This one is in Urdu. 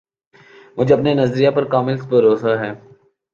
مجھے اپنے نظریہ پر کامل بھروسہ ہے